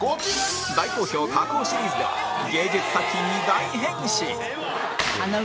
大好評加工シリーズでは芸術作品に大変身！